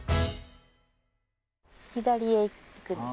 左へ行くんですね。